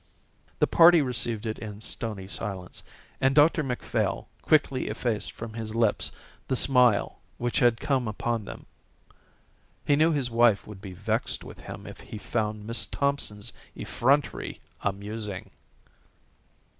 The party received it in stony silence, and Dr Macphail quickly effaced from his lips the smile which had come upon them. He knew his wife would be vexed with him if he found Miss Thompson's effrontery amusing.